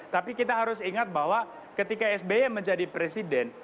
tapi kita harus ingat bahwa ketika sby menjadi presiden